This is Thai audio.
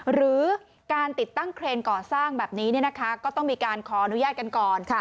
หรือการติดตั้งเครนก่อสร้างแบบนี้ก็ต้องมีการขออนุญาตกันก่อน